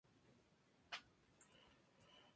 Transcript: en el agujero del culo. mucha clase, muy bien.